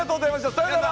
さようなら！